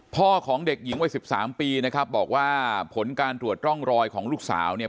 พ่อของเด็กหญิงวัยสิบสามปีนะครับบอกว่าผลการตรวจร่องรอยของลูกสาวเนี่ย